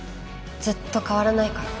ずっと変わらないから。